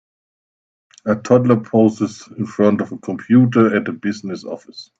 A toddler poses in front of a computer at a business office.